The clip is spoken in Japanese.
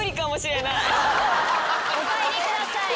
お帰りください。